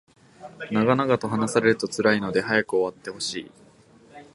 長々と話されると辛いので早く終わってほしい